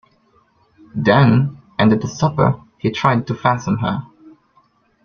Then, and at supper, he tried to fathom her.